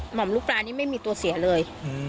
หมอปลามลูกปลานี่ไม่มีตัวเสียเลย